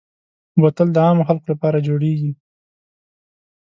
بوتل د عامو خلکو لپاره جوړېږي.